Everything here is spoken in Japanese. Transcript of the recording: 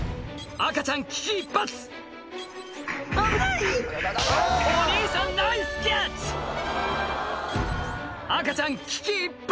赤ちゃん危機一髪！